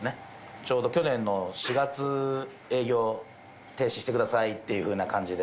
ちょうど去年の４月、営業を停止してくださいっていうような感じで。